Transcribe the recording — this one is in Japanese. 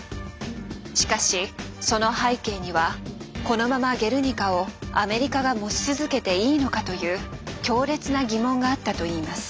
しかしその背景にはこのまま「ゲルニカ」をアメリカが持ち続けていいのかという強烈な疑問があったといいます。